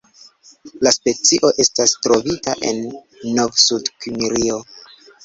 La specio estas trovita en Novsudkimrio.